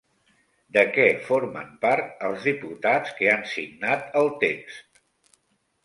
De què formen part els diputats que han signat el text?